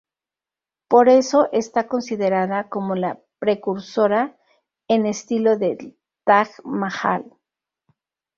Por eso está considerada como la precursora en estilo del Taj Mahal.